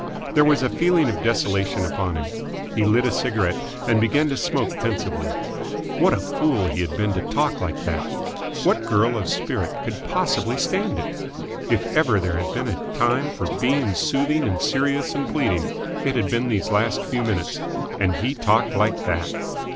There was a feeling of desolation upon him. He lit a cigarette and began to smoke pensively. What a fool he had been to talk like that! What girl of spirit could possibly stand it? If ever there had been a time for being soothing and serious and pleading, it had been these last few minutes. And he talked like that!